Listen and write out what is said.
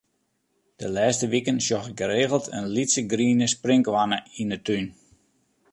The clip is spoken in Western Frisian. De lêste wiken sjoch ik geregeld in lytse griene sprinkhoanne yn 'e tún.